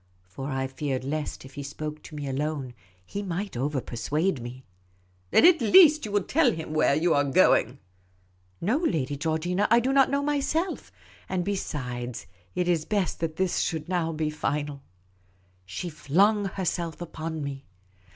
For I feared lest, if he spoke to me alone, he might over persuade me. " Then at least you will tell him where you are going ?"No, Lady Georgina ; I do not know myself. And be sides, it is best that this should now be final." She flung herself upon me.